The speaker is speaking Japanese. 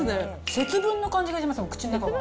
節分の感じがしますもん、口の中が。